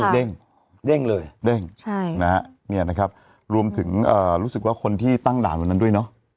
เด้งเลยเด้งนะครับรวมถึงรู้สึกว่าคนที่ตั้งด่านวันนั้นด้วยเนาะ